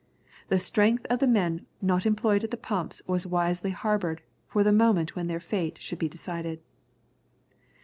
The strength of the men not employed at the pumps was wisely harboured for the moment when their fate should be decided.